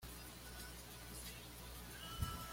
La Población del barrio ha ido variando durante años.